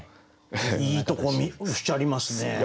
いいとこおっしゃりますね。